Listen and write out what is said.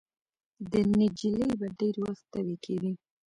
د نجلۍ به ډېر وخت تبې کېدې.